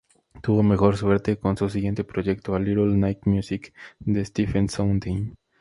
Tuvo mejor suerte con su siguiente proyecto, "A Little Night Music" de Stephen Sondheim.